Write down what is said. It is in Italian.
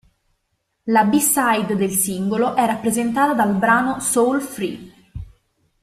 La B-side del singolo è rappresentata dal brano "Soul Free".